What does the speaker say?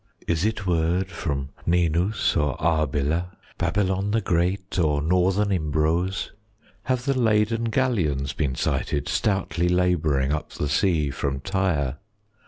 Is it word from Ninus or Arbela, Babylon the great, or Northern Imbros? 10 Have the laden galleons been sighted Stoutly labouring up the sea from Tyre?